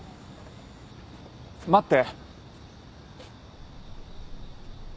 待って。